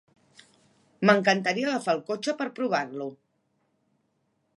M'encantaria agafar el cotxe per provar-lo.